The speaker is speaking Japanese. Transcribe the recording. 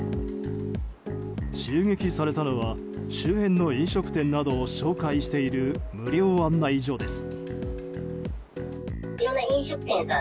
襲撃されたのは周辺の飲食店などを紹介している無料案内所です。